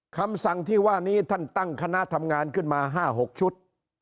คำสั่งที่ว่านี้ท่านตั้งคณะทำงานขึ้นมา๕๖ชุด